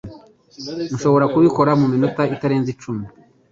Nshobora kubikora mu minota itarenze icumi.